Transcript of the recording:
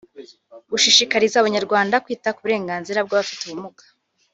Gushishikariza abanyarwanda kwita ku burenganzira bw’Abafite ubumuga